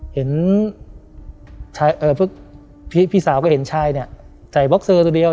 เห็นพวกพี่สาวก็เห็นชายเนี่ยใส่บ็อกเซอร์ตัวเดียว